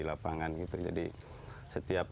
lapangan jadi setiap